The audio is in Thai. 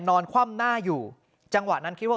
คว่ำหน้าอยู่จังหวะนั้นคิดว่า